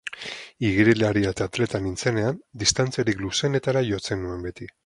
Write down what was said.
Igerilaria eta atleta nintzenean, distantziarik luzeenetara jotzen nuen beti.